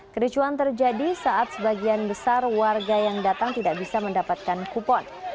kericuan terjadi saat sebagian besar warga yang datang tidak bisa mendapatkan kupon